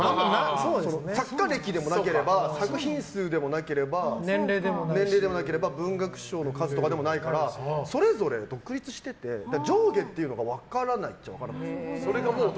作家歴でもなければ作品数でもなければ年齢でもなければ文学賞の数でもなければそれぞれ独立してて、上下が分からないっちゃ分からないです。